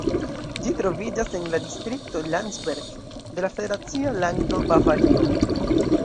Ĝi troviĝas en la distrikto Landsberg de la federacia lando Bavario.